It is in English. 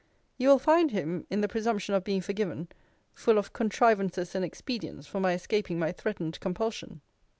You will find him (in the presumption of being forgiven) 'full of contrivances and expedients for my escaping my threatened compulsion.'